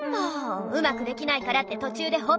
うまくできないからって途中でほっぽって。